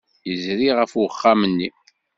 Yezri ɣef uxxam-nni.